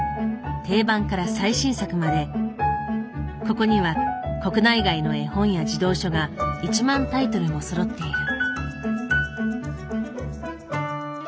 定番から最新作までここには国内外の絵本や児童書が１万タイトルもそろっている。